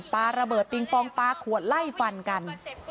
ปลาระเบิดปิงปองปลาขวดไล่ฟันกัน